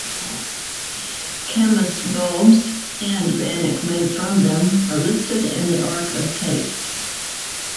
Camas bulbs (and bannock made from them) are listed in the Ark of Taste.